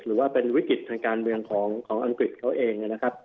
หรือว่าเป็นวิกฤตทางการเมืองของอังกฤษเขาเองนะครับ